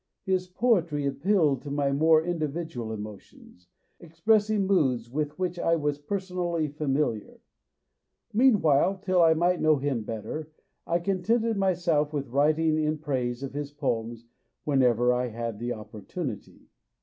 His poetry appealed to my more individual emo tions, expressing moods with which I was personally familiar. Meanwhile, till I might know him better, I contented myself with writing in praise of his poems whenever I had the opportunity.